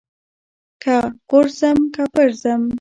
که غورځم که پرځم.